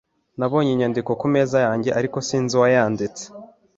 Nabonye inyandiko ku meza yanjye, ariko sinzi uwayanditse